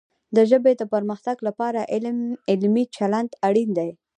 د ژبې د پرمختګ لپاره علمي چلند اړین دی.